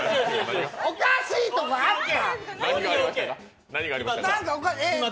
おかしいとこあった。